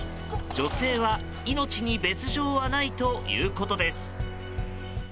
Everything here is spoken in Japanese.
女性は命に別条はないということです。